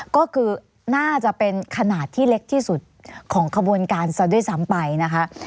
ก็คือน่าจะเป็นขนาดที่เล็กที่สุดของขบวนการซะด้วยซ้ำไปนะคะ